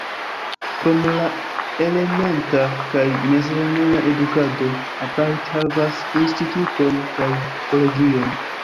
Krom la elementa kaj mezlerneja edukado Apalit havas instituton kaj kolegion.